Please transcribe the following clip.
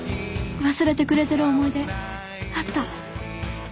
忘れてくれてる思い出あった